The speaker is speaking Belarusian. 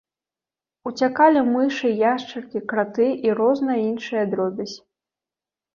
Уцякалі мышы, яшчаркі, краты і розная іншая дробязь.